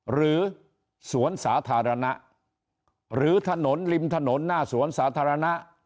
หรือสวนสาธารณะหรือถนนริมถนนหน้าสวนสาธารณะ